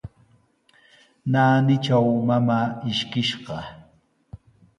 Naanitraw mamaa ishkishqa.